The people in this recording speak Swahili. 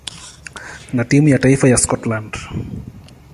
na timu ya taifa ya Scotland.